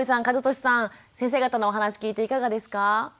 和俊さん先生方のお話聞いていかがですか？